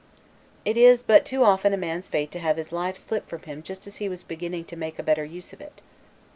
It is but too often a man's fate to have his life slip from him just as he was beginning to make a better use of it.